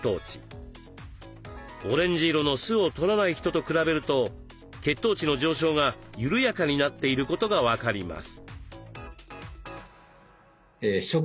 オレンジ色の酢をとらない人と比べると血糖値の上昇が緩やかになっていることが分かります。